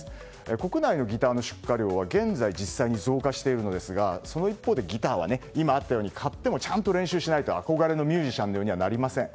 国内のギターの出荷量は現在実際に増加しているのですがその一方でギターは、今あったように買ってもちゃんと練習しないと憧れのミュージシャンのようにはなりません。